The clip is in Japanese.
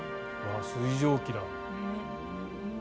水蒸気だ。